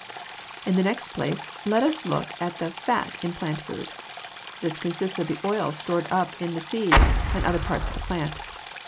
In the next place, let us look at the fat in plant food. This consists of the oil stored up in the seeds and other parts of the plant.